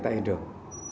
tại hiện trường